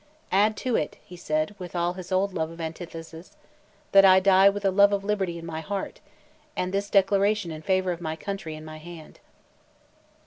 "Add to it," he said, with all his old love of antithesis, "that I die with a love of liberty in my heart, and this declaration in favour of my country, in my hand."